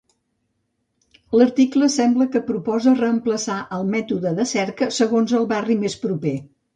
L'article sembla que proposa reemplaçar el mètode de cerca segons el barri més proper.